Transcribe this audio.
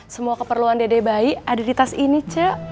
semua keperluan dedek bayi ada di tas ini cu